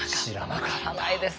分からないです